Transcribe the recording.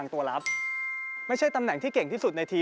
ที่สำคัญที่สุดในที